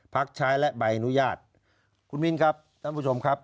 พักใช้และใบอนุญาตคุณมินครับท่านผู้ชมครับ